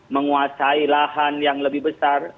menguasai lahan yang lebih besar